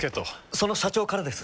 その社長からです。